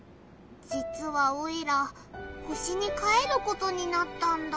じつはオイラ星に帰ることになったんだ。